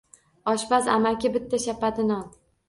Oshpaz amaki bitta shapati non